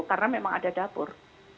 karena memang ada dapur